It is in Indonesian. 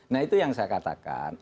nah itu yang saya katakan